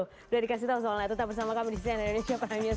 sudah dikasih tahu soalnya tetap bersama kami di cnn indonesia prime news